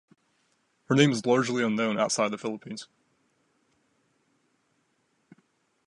Her name is largely unknown outside of the Philippines.